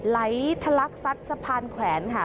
ไหลทะลักษัตริย์สะพานแขวนค่ะ